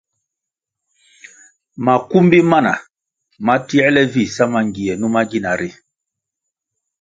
Makumbi mana mana ma tierle vi sa mangie numa gina ri.